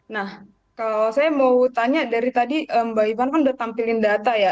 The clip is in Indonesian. nah kalau saya mau tanya dari tadi mbak ivana kan sudah tampilkan data ya